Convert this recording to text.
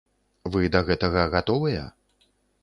Вы да гэтага гатовыя?